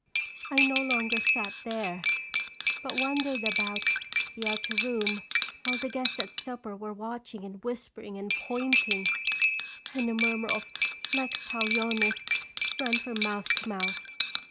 I no longer sat there, but wandered about the outer room while the guests at supper were watching and whispering and pointing, and a murmur of 'Lex lalionis !' ran from mouth to mouth.